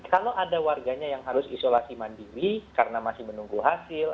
kalau ada warganya yang harus isolasi mandiri karena masih menunggu hasil